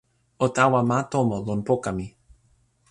o tawa ma tomo lon poka mi.